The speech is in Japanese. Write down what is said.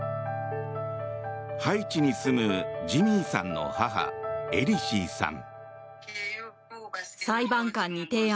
ハイチに住むジミーさんの母エリシーさん。